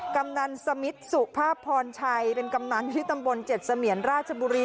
กำนันสมิทสุภาพพรชัยเป็นกำนันที่ตำบลเจ็ดเสมียนราชบุรี